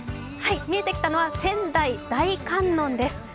見えてきたのは仙台大観音です。